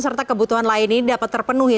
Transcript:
serta kebutuhan lain ini dapat terpenuhi